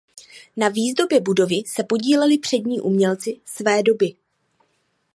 Na výzdobě budovy se podíleli přední umělci své doby.